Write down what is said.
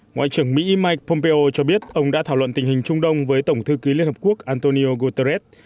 ngoại trưởng mỹ mike pompeo cho biết ông đã thảo luận tình hình trung đông với tổng thư ký liên hợp quốc antonio guterres